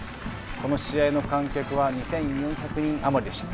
この試合の観客は２４００人余りでした。